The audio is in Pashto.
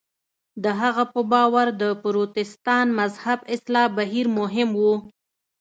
د هغه په باور د پروتستان مذهب اصلاح بهیر مهم و.